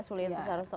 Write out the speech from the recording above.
sulian tersara soal